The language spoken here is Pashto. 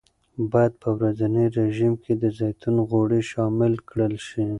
باید په ورځني رژیم کې د زیتون غوړي شامل کړل شي.